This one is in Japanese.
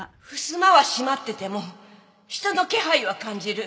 襖は閉まってても人の気配は感じる。